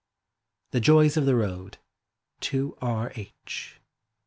THE JOYS OF THE ROAD. TO R. H.